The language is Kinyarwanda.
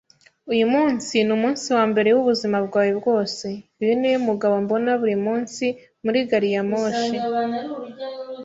Uyu munsi numunsi wambere wubuzima bwawe bwose. Uyu niwe mugabo mbona buri munsi muri gari ya moshi.